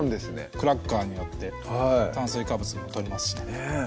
クラッカーによって炭水化物も取れますしね